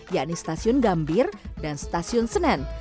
yakni stasiun gambir dan stasiun senen